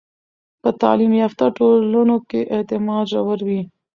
په تعلیم یافته ټولنو کې اعتماد ژور وي.